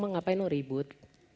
mah ngapain oh ribut